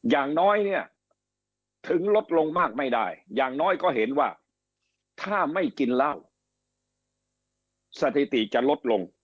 อย่างน้อยเนี่ยถึงลดลงมากไม่ได้อย่างน้อยก็เห็นว่าถ้าไม่กินเหล้าสถิติจะลดลง